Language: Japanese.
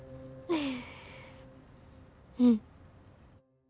うん。